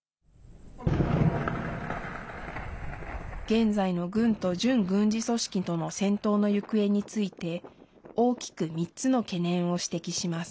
現在の軍と準軍事組織との戦闘の行方について大きく３つの懸念を指摘します。